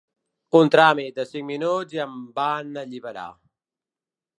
Un tràmit de cinc minuts i em van alliberar.